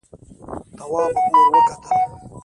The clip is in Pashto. تواب ور وکتل.